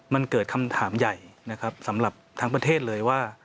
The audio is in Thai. มันเกิดคำถามใหญ่นะครับสำหรับทั้งประเทศเลยว่า